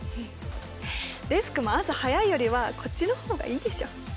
デスクも朝早いよりはこっちの方がいいでしょ。